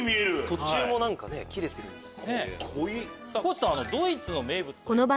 途中も切れてるみたい。